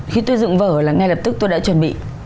khi tôi dựng vở là ngay lập tức tôi đã chuẩn bị